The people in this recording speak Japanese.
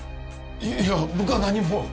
いや僕は何も。